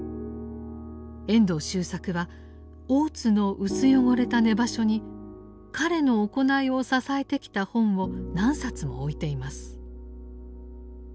遠藤周作は大津の薄汚れた寝場所に彼の行いを支えてきた本を何冊も置いています。